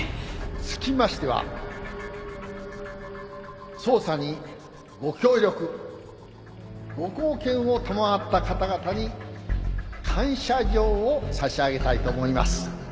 つきましては捜査にご協力ご貢献を賜った方々に感謝状を差し上げたいと思います。